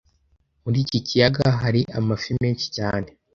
Muri iki kiyaga hari amafi menshi cyane